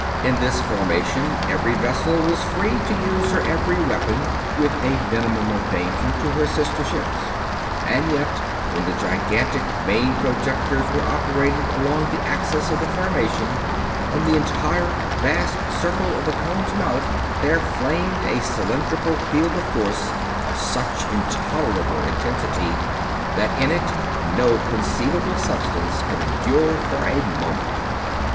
In this formation every vessel was free to use her every weapon, with a minimum of danger to her sister ships; and yet, when the gigantic main projectors were operated along the axis of the formation, from the entire vast circle of the cone's mouth there flamed a cylindrical field of force of such intolerable intensity that in it no conceivable substance could endure for a moment!